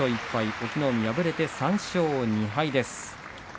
隠岐の海敗れて３勝２敗です。